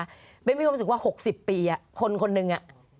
มีความรู้สึกว่า๖๐ปีคนคนหนึ่ง